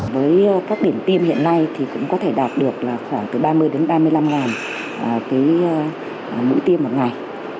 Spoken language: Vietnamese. với các điểm tiêm hiện nay thì cũng có thể đạt được là khoảng từ ba mươi đến ba mươi năm ngàn mũi tiêm một ngày